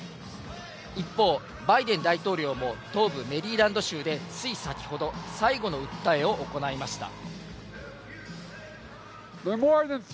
一方、バイデン大統領も東部メリーランド州で、つい先程、最後の訴えを行いました。